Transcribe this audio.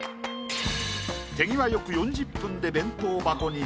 手際よく４０分で弁当箱に詰めた。